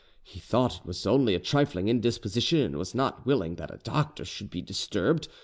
He thought it was only a trifling indisposition, and was not willing that a doctor should be disturbed.